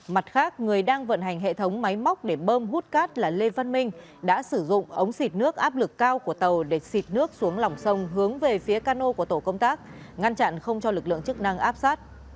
mặt khác người đang vận hành hệ thống máy móc để bơm hút cát là lê văn minh đã sử dụng ống xịt nước áp lực cao của tàu để xịt nước xuống lòng sông hướng về phía cano của tổ công tác ngăn chặn không cho lực lượng chức năng áp sát